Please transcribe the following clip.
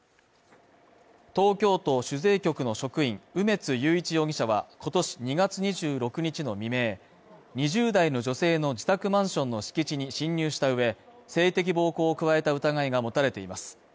東京都主税局の職員梅津裕一容疑者は今年２月２６日の未明１０代の女性の自宅マンションの敷地に侵入した上、性的暴行を加えた疑いが持たれています。